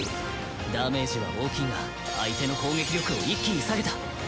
ダメージは大きいが相手の攻撃力を一気に下げた。